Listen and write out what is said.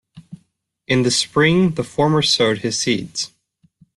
In the spring, the former sowed his seeds.